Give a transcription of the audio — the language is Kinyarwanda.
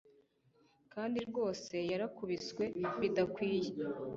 Kandi rwose yarakubiswe bidakwiye